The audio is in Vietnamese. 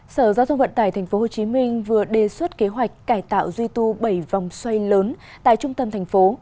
sở giao thông vận tải tp hcm vừa đề xuất kế hoạch cải tạo duy tu bảy vòng xoay lớn tại trung tâm thành phố